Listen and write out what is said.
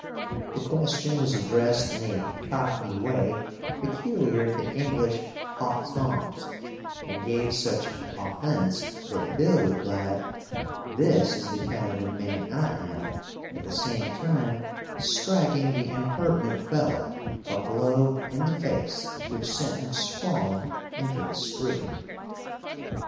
The question was addressed in a cockney way peculiar to English haute tons, and gave such offense that Bill replied: "This is the kind of a man I am," at the same time striking the impertinent fellow a blow in the face which sent him sprawling into the street.